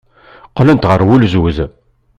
Qqlent ɣer wulzuz.